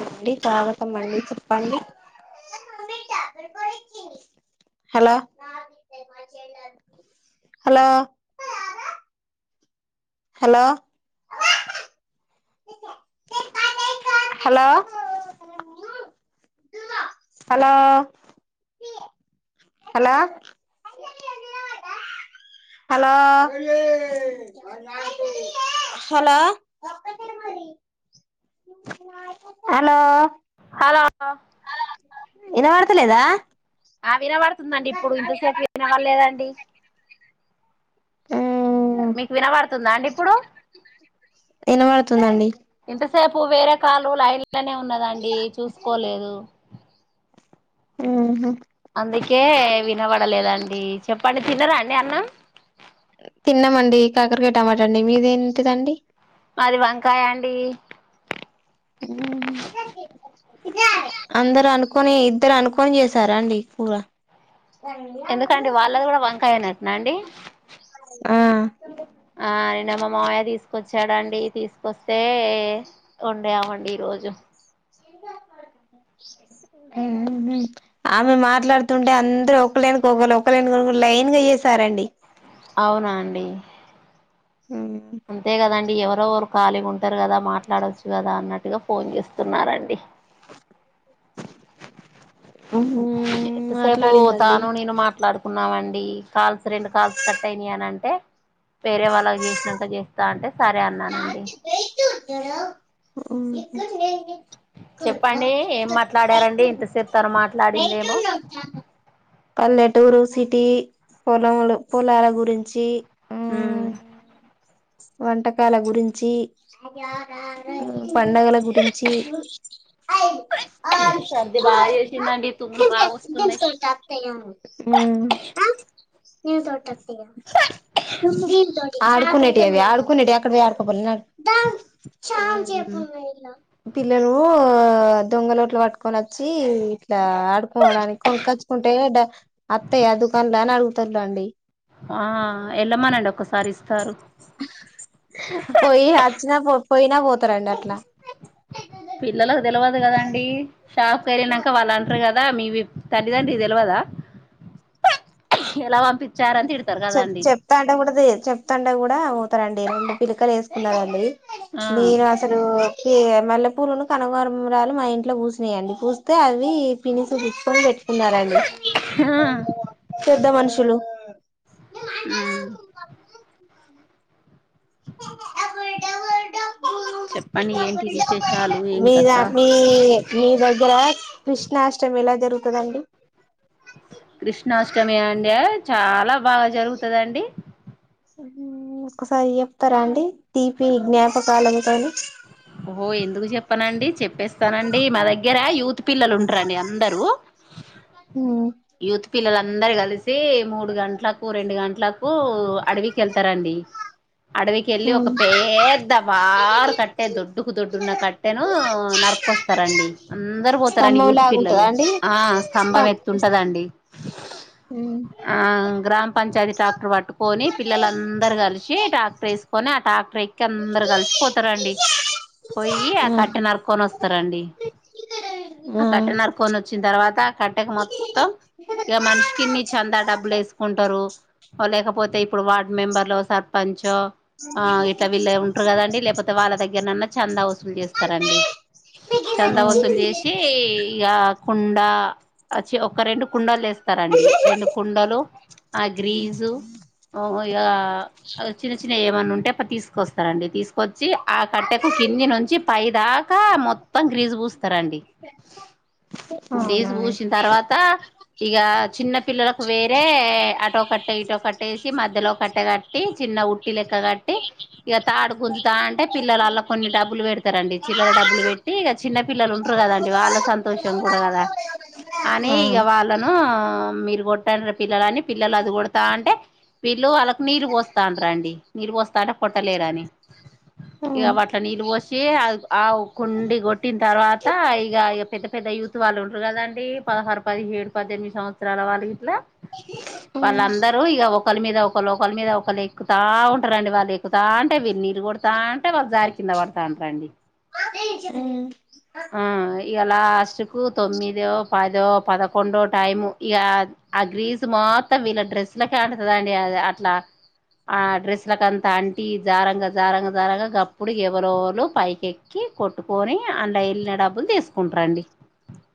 అండి తాగటమండి చెప్పాలి hello hello hello hello hello hello hello hello hello hello ఇనవడతలేదా ఆ వినబడుతుందండి ఇప్పుడు ఇంతసేపు వినబడలేదండి మ్మ్ మీకు వినబడుతుందా అండి ఇప్పుడు ఇనబడుతుందండి ఇంతసేపు వేరే కాలు లైన్లనే ఉన్నదండి చూసుకోలేదు ఊహు అందుకే వినబడలేదండి చెప్పండి తిన్నరా అండి అన్నం తిన్నమండి కాకరకాయ టమాట అండి మీదేంటిదండి మాది వంకాయ అండీ ఊ హు అందరు అనుకొని ఇద్దరు అనుకొని చేసారా అండి కూర ఎందుకండి వాళ్ళది కూడా వంకాయేట్నన అండి ఆ ఆ నిన్న మా మామయ్య తీసుకొచ్చాడండి తీసుకొస్తే వొండమండి ఈ రోజు ఊ ఆమె మాట్లాడుతుంటే అందరు ఒకలెనుకకొకలు ఒకలెనుకకొకలు లైన్గాచేసారండి అవునా అండి అంతే గదండి డి ఎవరోవరు ఖాళీ ఉంటారు కదా మాట్లాడొచ్చు కదా అన్నట్టుగా ఫోన్ చేస్తున్నారండి మ్మ్ ఇంతసేపు మాట్లాడిందండి తాను నేను మాట్లాడు కున్నామండి కాల్స్ రెండు కాల్స్ కట్ అయినయని అంటే వేరే వాళ్ళ చేసినంక చేస్తా అంటే సరే అన్నానండి ఉమ్ చెప్పండి ఏం మాట్లాడారండి ఇంతసేపు తను బయట మాట్లాడిందేమో ఉన్నామ్ తాత పల్లెటూరు సిటీ పొలములు పొలాల గురించి మ్మ్ ఉమ్ వంటకాల గురించి ఉం పండగల గురించి సర్ది బాగా చేసిందండి తుమ్ములు బాగా వస్తున్నాయి ఉమ్ ఆడుకునేటివి అవి ఆడుకునేటీ అక్కడ పోయి ఆడకోపోయి నడువ్ పిల్లలూ దొంగలోట్లు పట్టుకొని వచ్చి ఇట్ల ఆడుకోడానికి కొనుచ్చుకుంటే డా అత్త యా దుకాన్ లో అని అడుగుతారులాండి ఆ ఎల్మానండి ఒక సా పోయి అచ్చిన పో పోయినా పోతారండి అట్లా పిల్లలకు తెలివాదు కదండి షాప్ కేలినంక వాళ్ళు అంటారు క దా మీవి తల్లి దండ్రి కి తెలివదా చెప్ చెప్తాంటె కూడాది చెప్తాంటె కూడా [unintelligible] తారంండి రెండు పిలకలు వేసుకున్నారంండి నేను అసలూ ఈ మల్లెపూలుని కనుగోరమరాలు మా ఇంట్లో పూసినాయండి పూస్తే అవి పినిసి గుచ్చుకొని పెట్ కున్నారండి పెద్ద మనుషులు ఉమ్ చెప్పం మీద మీ మీ దగర కృష్ణాష్టమిీ ఎలా జరుగుతుందండి కృష్ణాష్టమి అండి చాలా బాగా జరుగుతుందండి ఉమ్ ఒకసారి చెప్తారా అండి తీపి జ్ఞాపకాల అంతా ను ఓహో ఎందుకు చెప్పనండి చెప్పేస్తానండి మా దగ్గర యూత్ పిల్లలు ఉంటారండి అందరు హ్మ్ యూత్ పిల్లలందరు కలిసి మూడు గంటలకు రెండు గంటల కు అడవికి వెళ్తారంండి అడవికిెళ్ళి ఒక హ్మ్ పేద్ద బార్ కట్ టె దొడ్డుకు దొడ్డున్న కట్టెను నరుకొస్తారంండి అందరు పోతారండి స్తంభం యూత్ లాగా ఉంటదా పిల్లలు అండి ఆ స్తంభం ఎత్తుంటదండి ఆ ఉమ్ గ్రామ పంచాయతీ ట్రాక్టర్ పట్టుకొని పిల్లలందరు కలిసి ట్రాక్టర్ వేసుకొని ఆ ట్రాక్టర్ ఎక్కి అందరు కలిసిపోతారండి పోయి ఆ కట్టి నరకొని వస్తారండి ఆ కట్టె నరకొని వచ్చిన తర్వాత ఆ కట్టెకు మొత్తం ఇగ మనిషికిిన్ని చందా డబ్బులు వేసుకుంటారు పోలేకపోతే ఇప్పుడు వార్డ్ మెంబర్లు సర్పంచ్ ఆ ఇట్లా వీళ్ళే ఉంటారు కదండి లేకపోతే వాళ్ళ దగ్గరనన్న చంద వసూలు చేస్తారండీ చంద వసూలు ఆ చేసి ఇగ కుండ ఆ చ్చి ఒక రెండు కుండలు తెస్తారండి రెండు కుండలు ఆ గ్రీజు ఓ ఇగ చిన్న చిన్నవి ఏమైన్నా ఉంటే తీస్తకస్తారండీ తీసుకొచ్చి ఆ కట్టెకు కింది నుంచి పైదాకా మొత్తం గ్రీస్ పూస్తారండి అవునా ఆ గ్రీస్ పూసిన తర్వాత ఇగ చిన్న పిల్లలకు వేరే అటో కట్టే ఇటో కట్టే ఏసి మధ్యలో కట్టే కట్టి చిన్న ఉట్టి లె క్క కట్టి ఇగ తాడు గుంజుతా ఉంటే పిల్లలు అల్లా కొన్ని డబ్బులు పెడతారండి చిల్లర డబ్బులు పెట్టి ఇగ చిన్న పిల్లలు ఉంటారు కదండి వాళ్ళ సంతోషం కూడా కదా అని ఇగ వాళ్ళను మీరు కొట్టండ్రా పిల్లలని పిల్లలు అది కొడుతంటే వీళ్ళు ఆళ్లకి నీళ్లు పోస్తాంటరాండి నీళ్లు పోస్తా అంటే కొట్టలేరని ఇగ వాట్ల నీళ్ళు పోసి ఆ ఆ కుండి కొట్టిన తర్వాత ఇగ ఇగ పెద్ద పెద్ద యూత్ వాళ్ళు ఉండరు కదండి పదహారు, పదిహేడు, పద్దెనిమిది సంవత్సరాల వాళ్ళ ఇట్లా వాళ్ళందరూ ఇక ఒకలీ మీద ఒ కొలి మీద ఒకలు ఎక్కుతా ఉంటారండి వాళ్ళు ఎక్కుతా ఉంటే వీళ్ళు నీళ్లు కొడతా వాళ్లు జారి కింద పడతాంటారండీ ఆ ఇగ లాస్ట్ కు తొమ్మిదో, పదో, పదకొండో టైం ఇగా ఆ గ్రీస్ మొత్తం వీళ్ళ డ్రెస్సులకు అంటుతదండి అ అట్లా ఆ డ్రెస్సులకు అంత అంటీ జారంగా జారంగా జారగా గప్పుడు ఎవరో ఒకరు పైకెక్కి కొట్టుకొని అన్లా వెళ్లిన డబ్బులు తీసుకుంటరండి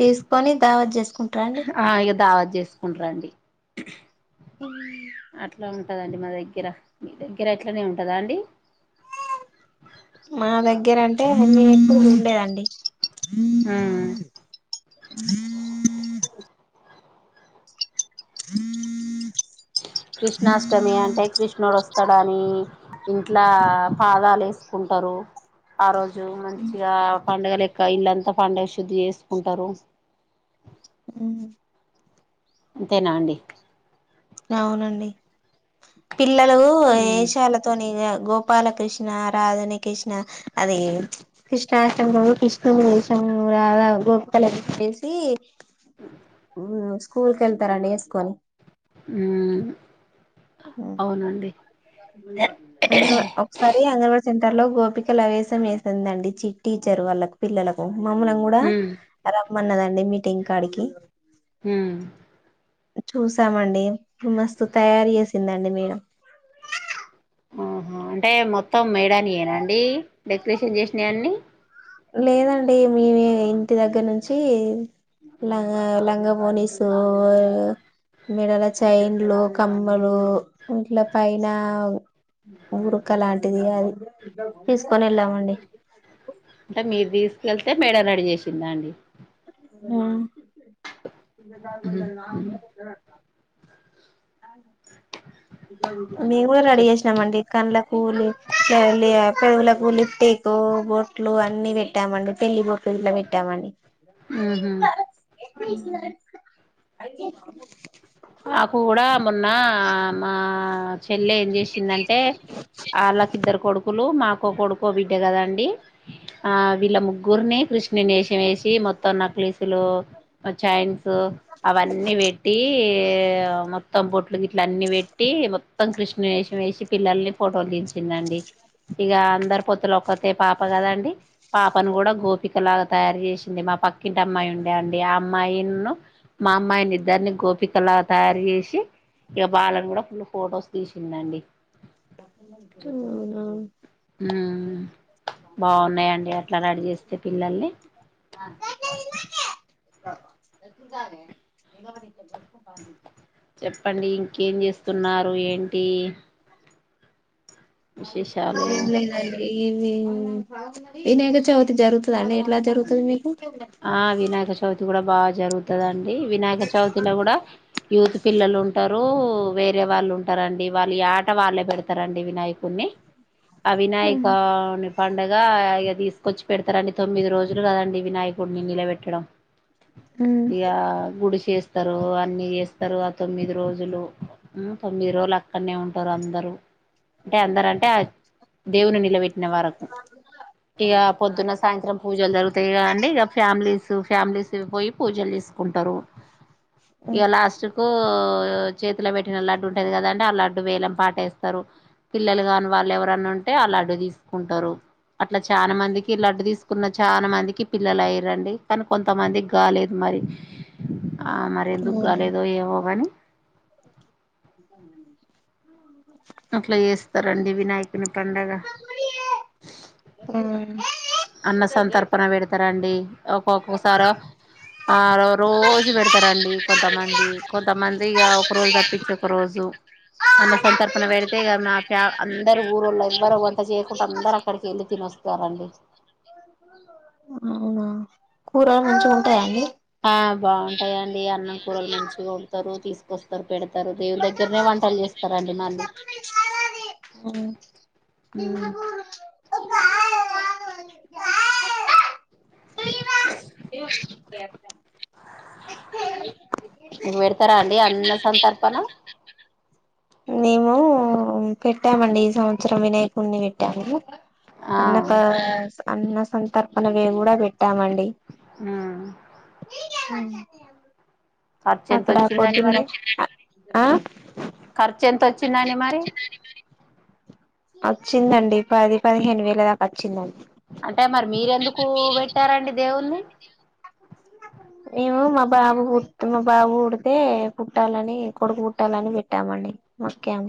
తీసుకొని దావత్ చేసుకుం ఆ ఇగ దావత్ చేసుకుంట్రండి హుము మా దగ్గర మీ దగ్గర అట్లనే ఉంటదా అండి మా దగ్గర అంటే [inaudible] ఉండేదండి మ్మ్ హ- అ క్రిష్ణాష్టమి అంటే క్రిష్ కృష్ణుడు వస్తాడు అని ఇంట్లో పాదాలు వేసుకుంటారు ఆ రోజు మంచిగా పండగ లెక్క ఇల్లంతా పండుగ శుద్ధి చేసుకుంటారు అ అంతేనా అండి అవునండి పిల్లలు మ్మ్ ఏశాల తోని ఇగ గోపాలకృష్ణ రాధని కృష్ణ అది కృష్ణాష్టమి రోజు కృష్ణుని వేషం మ్మ్ రాధ గోపికలు [inaudible] స్కూల్ కి వెళ్తారండీ వేసుకొని మ్మ్ అవునండి అంగన్ వా ఒకసారి అంగన్వాడి సెంట ర్లో గోపికల వేశం వేసిందండి చి టీచర్ వాళ్ళకు పిల్లలకు మమ్ములను కూడా మ్మ్ రమన్నదండి మీటింగ్ కాడికి మ్మ్ చూసామండి మస్తు తయారు చేసిందండి మేడం ఓహో అంటే మొత్తం మేడనీవేనా అండి డెకరేషన్ చేసినవి అన్ని లేదండి మేమే ఇంటి దగ్గర నుంచి లంగా లంగా వోనిసూ మెడల చైన్లు, కమ్మలు ఇంట్లో పైన ఉడక లాంటిది అది తీసుకొని వెళ్ళామండి అంటే మీరు తీసుకెళ్తే మేడంను అడిగేసిందా అండి ఊను అవును మేము కూడా రెడీ చెప్ చేసినామండి కండ్ల కూలి [inaudible] పెండ్లకు లిప్టీకు, బొట్లు అన్ని పెట్టామండి పెళ్లి బొట్లు ఇట్లా పెట్టామండి మ్మ్ హ్మ్ ఎ అే మొన్నా మా చెల్లె ఏం చేసిందంటే వాళ్ళకిద్దరు కొడుకులు మా ఒక్కొడుకు, ఓ బిడ్డే కదండి ఆ వీళ్ళ ముగ్గురిని కృష్ణునేషాం యేషి మొత్తం నక్లీస్ చైన్స్ అవన్నీ పెట్టి మొత్తం బొట్లుకి ఇట్ల అన్ని పెట్టి మొత్తం కృష్ణేషం వేసి పిల్లల్ని ఫోటోలు దించ తినండి ఇక అందరు పొత్తులు ఒక్కతే పాప కదండి పాపను కూడా గోపికలాగా తయారు చేసింది అ పక్కింటి అమ్మాయి ఉండే అండి ఆ అమ్మాయిన్ను మా అమ్మాయిని ఇద్దరిని గోపి తెల్లగ తయారు జేసి ఇగ బాలను గూడా ఫుల్ ఫొటోస్ తీసిందండి ఉ అవును ఉ బాగున్నాయండి అట్లా రడి చేస్తే పిల్లల్ని అ [unintelligible] చెప్పండి ఇంకేం చేస్తున్నారు ఏంటి విశేషాలు ఏంలేదండి ఇవి వినకచవితి జరుగుతదా అండి ఎట్లా జరుగుతది మీకు ఆ వినాయక చవితి గూ డా బాగా జరుగుతదండి డీ వినాయక చవితిలో గూడా యూత్ పిల్లలు ఉంటారు వేరే వాళ్ళు ఉంటరండి వాళ్ళు ఈ ఆట వాళ్ళే పెడతరండి వినాయకుడిని ఆ వినాయకా పండగా ఇగ తీసుకొచ్చి పెడతరండి తొమ్మిది రోజులు కదండి వినాయక్ డి నిల పెట్టడం ఉమ్ ఇగా గుడి చేస్తరు అన్ని చేస్తరు ఆ తొమ్మిది రోజులు ఉ తొమ్మిది రోజులు అక్కన్నే ఉంటరు అందరు అంటే అందరంటే దేవుని నిలబెట్టిన వరకు ఇగ పొద్దున్న సాయంత్రం పూజలు జరుగుతయి గదా అండి ఇగ ఫ్యామిలీసు ఫ్యామిలీసు పోయి పూజలు చేసుకుంటరు ఇగ లాస్టుకు చేతిలో పెట్టిన లడ్డు ఉంటది గదా అం అ లడ్డు వేలం పాటేస్తరు పిల్లలు గాని వాళ్ళు ఎవరన్నా ఉంటే ఆ లడ్డు తీసుకుంటరు అట్ల చాలా మందికి లడ్డు తీసుకున్న చాన మందికి పిల్లలు అయ్యి రండి కానీ కొంతమందికి గాలేదు మరి ఆ మరి ఎందుకు అవునా గాలేేదో ఏవో గని అట్ల చేస్తరండి వినాయకుని పండగ అన్న సంతర్పణ పెడతరండి ఒక్కొక్కసారో ఆ రోజు పెడతరండి కొంతమంది కొంతమందిగా ఒక రోజు తప్పిచి ఒక రోజు అన్న సంతర్పణ పెడితే ఇగ మా ఫ్యా అందరు ఊరోళ్లు ఇవ్వరువంట చేయకుంట అందరు అక్కడికెళ్ళి తినో స్తారండి అవునా కూరలు మంచిగ ఉంటాయండి ఆ బాగుంటయండి అన్నం కూరలు మంచిగా వండుతరు తీసుకొస్తరు పెడతారు దేవుని దగ్గరనే వంటలు చేస్తరండి మళ్ళీ ఉమ్ ఉ నువ్వు పెడతరా అండి అన్న సంతర్పణ మేమూ ఉ పెట్టామండి ఈ సంవత్సరం వినాయకుడ్ని పెట్టాము ఆ అన్నతా స అన్న సంతర్పణ వేవ్ గూడా పెట్టామండి ఊ ఎంత అక్కడ పొద్దున్న అచ్చిండట ఆ ఖర్చేంతొచ్చిందని మరి చ్చిందండి పది పదిహేను వేల దాక అచ్చిందన్ అంటే మరి మీరెందుకూ బెట్టారండి దేవున్ని మేము మా బాబు గుడ్త్ మా బాబు బుడితే పుట్టాలని కొడుకు బుట్టాలని బెట్టామండి మొక్యాం